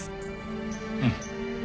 うん。